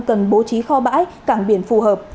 cần bố trí kho bãi cảng biển phù hợp